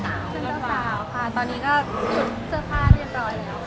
เจ้าสาวค่ะตอนนี้ก็ชุดเจ้าผ้าเรียบร้อยแล้ว